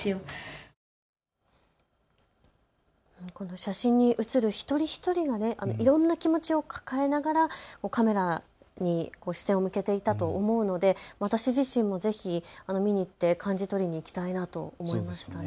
写真に写る一人一人がいろんな気持ちを抱えながらカメラに視線を向けていたと思うので私自身もぜひ見に行って感じ取りに行きたいなと思います。